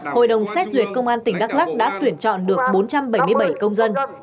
hội đồng xét duyệt công an tỉnh đắk lắc đã tuyển chọn được bốn trăm bảy mươi bảy công dân